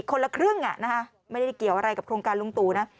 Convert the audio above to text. คนละครึ่งไม่ได้เกี่ยวอะไรกับโครงการลุงตู่นะ